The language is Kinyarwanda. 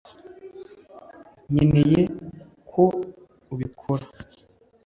nkeneye ko ubikora